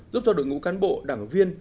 giúp cho đội ngũ cán bộ đảng viên